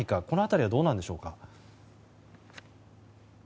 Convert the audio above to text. この辺りはどうなんでしょうか？